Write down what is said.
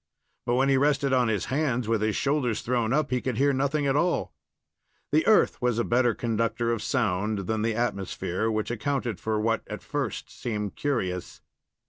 But when he rested on his hands, with his shoulders thrown up, he could hear nothing at all. The earth was a better conductor of sound than the atmosphere, which accounted for what at first seemed curious.